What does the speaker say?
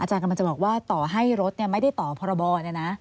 กำลังจะบอกว่าต่อให้รถไม่ได้ต่อพรบเนี่ยนะ